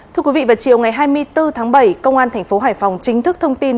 thưa quý vị vào chiều ngày hai mươi bốn tháng bảy công an thành phố hải phòng chính thức thông tin